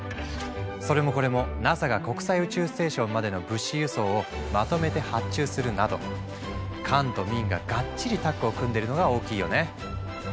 それもこれもＮＡＳＡが国際宇宙ステーションまでの物資輸送をまとめて発注するなど官と民ががっちりタッグを組んでるのが大きいよね。